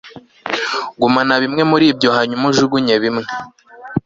gumana bimwe muri byo hanyuma ujugunye bimwe